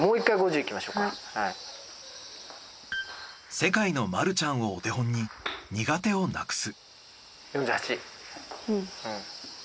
世界のマルちゃんをお手本に苦手をなくす。